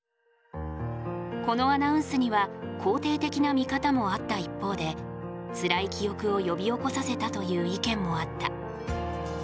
このアナウンスには肯定的な見方もあった一方でつらい記憶を呼び起こさせたという意見もあった。